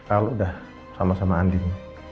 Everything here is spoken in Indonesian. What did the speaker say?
al udah sama sama andin